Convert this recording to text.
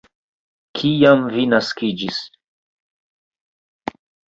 Kiam vi naskiĝis?